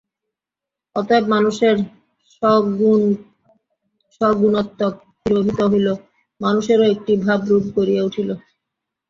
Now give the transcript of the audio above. অতএব মানুষের সগুণত্বও তিরোহিত হইল, মানুষেরও একটি ভাবরূপ গড়িয়া উঠিল।